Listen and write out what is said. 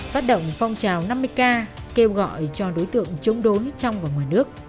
phát động phong trào năm mươi k kêu gọi cho đối tượng chống đối trong và ngoài nước